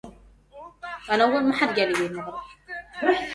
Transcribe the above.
حولنا خرم وورد وخيري